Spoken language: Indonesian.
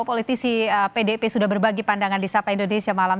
politisi pdip sudah berbagi pandangan di sapa indonesia malam